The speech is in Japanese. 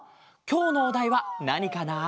きょうのおだいはなにかな？